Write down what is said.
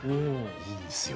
いいんすよ